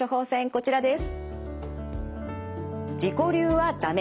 こちらです。